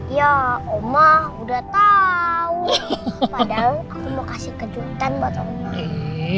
iya omah udah tau padahal aku mau kasih kejutan buat omah